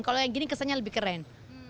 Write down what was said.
kalau yang gini kesannya lebih keren